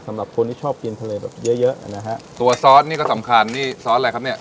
สำหรับคนที่ชอบกินทะเลแบบเยอะเยอะนะฮะตัวซอสนี่ก็สำคัญนี่ซอสอะไรครับเนี่ย